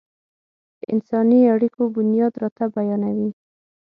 د انساني اړيکو بنياد راته بيانوي.